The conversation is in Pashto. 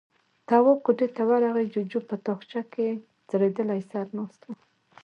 تواب کوټې ته ورغی، جُوجُو په تاخچه کې ځړېدلی سر ناست و.